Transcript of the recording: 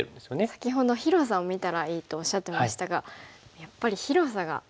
先ほど広さを見たらいいとおっしゃってましたがやっぱり広さが全然違いましたね。